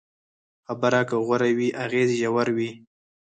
خبره که غوره وي، اغېز یې ژور وي.